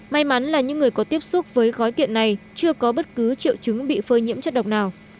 may mắn là những người có tiếp xúc với gói kiện này chưa có bất cứ triệu chứng bị phơi nhiễm chất độc nào